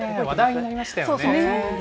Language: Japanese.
話題になりましたよね。